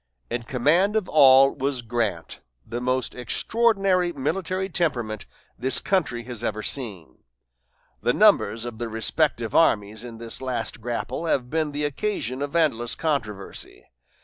In command of all was Grant, the most extraordinary military temperament this country has ever seen. The numbers of the respective armies in this last grapple have been the occasion of endless controversy.